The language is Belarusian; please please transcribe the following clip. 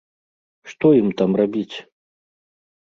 Што ім там рабіць?